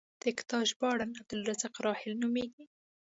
د کتاب ژباړن عبدالرزاق راحل نومېږي.